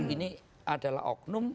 ini adalah oknum